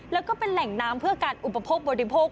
แล้วก็เป็นแหล่งน้ำเพื่อการอุปโภคบริโภค